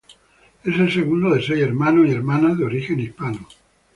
Es el segundo de seis hermanos y hermanas de origen hispano.